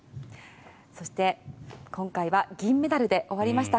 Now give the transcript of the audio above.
そして、今回は銀メダルで終わりました。